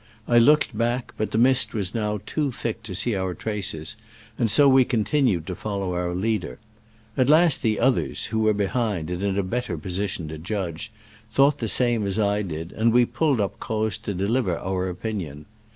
I looked back, but the mist was now too thick to see our traces, and so we con tinued to follow our leader. At last the others (who were behind, and in a bet ter position to judge) thought the same as I did, and we pulled up Croz to de liver our opinion.